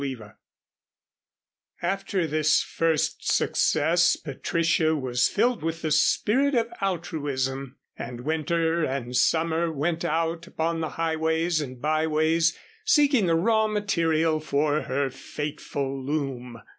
CHAPTER XV After this first success, Patricia was filled with the spirit of altruism, and winter and summer went out upon the highways and byways seeking the raw material for her fateful loom.